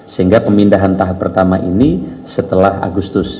sehingga pemindahan tahap pertama ini setelah agustus